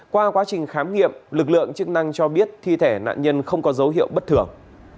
qua quá trình khám nghiệm lực lượng chức năng cho biết thi thể nạn nhân không có dấu hiệu bất thường